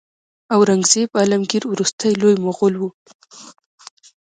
اورنګزیب عالمګیر وروستی لوی مغول و.